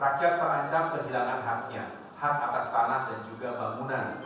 rakyat terancam kehilangan haknya hak atas tanah dan juga bangunan